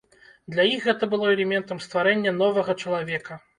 Для іх гэта было элементам стварэння новага чалавека.